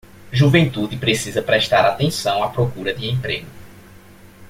Juventude precisa prestar atenção à procura de emprego